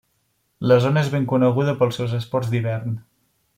La zona és ben coneguda pels seus esports d'hivern.